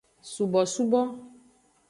Subosubo.